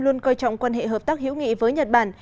luôn coi trọng quan hệ hợp tác hữu nghị với nhật bản